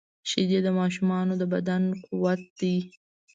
شیدې د ماشوم د بدن قوت دي